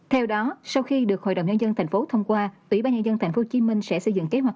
theo đó sau khi được hội đồng nhân dân tp hcm thông qua ủy ban nhân dân tp hcm sẽ xây dựng kế hoạch